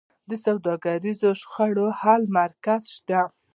د سوداګریزو شخړو حل مرکز شته؟